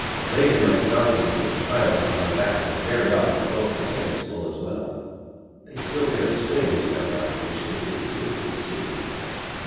Laden like donkeys, with a pile upon their backs and very often both hands full as well, they still get a swing into their march which it is good to see.